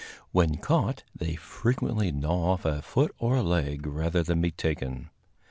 When caught, they frequently gnaw off a foot or leg rather than be taken.